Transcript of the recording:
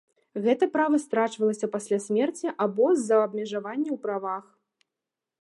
Гэта права страчвалася пасля смерці або з-за абмежавання ў правах.